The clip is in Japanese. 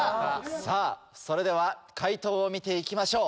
さぁそれでは解答を見て行きましょう。